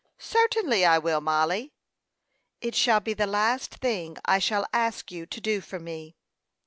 "Certainly, I will, Mollie." "It shall be the last thing I shall ask you to do for me."